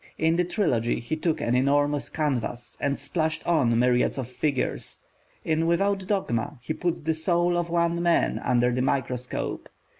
In the Trilogy, he took an enormous canvas, and splashed on myriads of figures; in Without Dogma, he puts the soul of one man under the microscope.